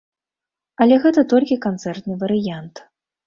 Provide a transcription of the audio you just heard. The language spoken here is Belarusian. Але гэта толькі канцэртны варыянт.